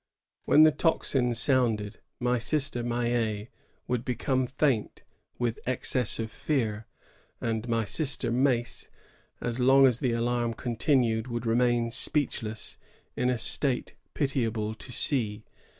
When the tocsin sounded, my Sister Maillet would become faint with excess of fear; and my Sister Mactf, as long as the alarm con tinued, would remain speechless, in a state pitiable to see.